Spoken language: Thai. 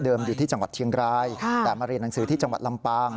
อยู่ที่จังหวัดเชียงรายแต่มาเรียนหนังสือที่จังหวัดลำปาง